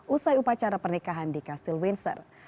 usai upacara pernikahan di kastil windsor